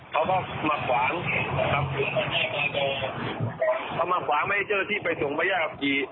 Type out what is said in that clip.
เขาก็มาขวางนะครับเขามาขวางไม่ให้เจ้าหน้าที่ไปส่งพระยาขับขี่